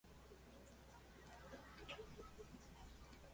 桂川ではないかという推察を試みたことがあるのです